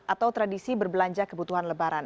atau tradisi berbelanja kebutuhan lebaran